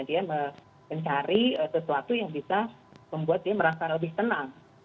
dia mencari sesuatu yang bisa membuat dia merasa lebih tenang